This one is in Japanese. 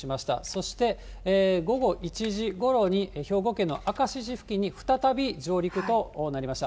そして午後１時ごろに兵庫県の明石市付近に再び上陸となりました。